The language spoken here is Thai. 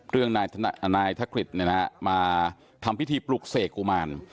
เรื่องนายทักฤษนะครับมาทำพิธีปลุกเสกอุมาน